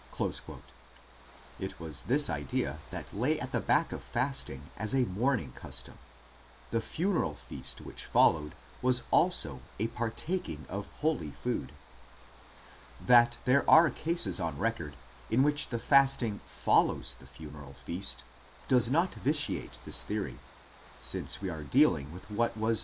3 It was this idea which lay at the back of fasting as a mourning custom ; the funeral feast which followed was also a partaking of holy food. That there are cases on record in which the fasting follows the funeral feast does not vitiate this theory, i Hastings, op. cit. z Op.